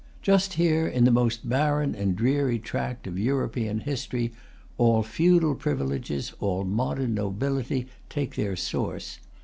Just here, in the most barren and dreary tract of European history, all feudal privileges, all modern nobility, take their source.